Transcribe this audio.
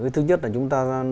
thứ nhất là chúng ta